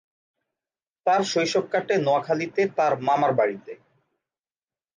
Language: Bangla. তার শৈশব কাটে নোয়াখালীতে তার মামার বাড়িতে।